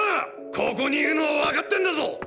ここにいるのはわかってンだぞォ！！